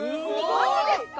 マジですか！